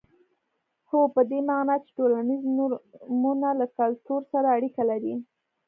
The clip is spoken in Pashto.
هو په دې معنا چې ټولنیز نورمونه له کلتور سره اړیکه لري.